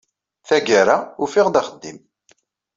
Tagara, ufiɣ-d axeddim.